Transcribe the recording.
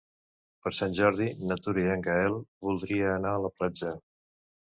Per Sant Jordi na Tura i en Gaël voldria anar a la platja.